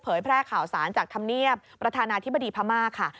แพร่ข่าวสารจากธรรมเนียบประธานาธิบดีพม่าค่ะ